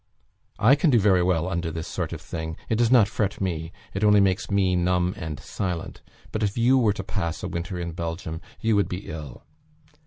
I can do very well under this sort of thing; it does not fret me; it only makes me numb and silent; but if you were to pass a winter in Belgium, you would be ill.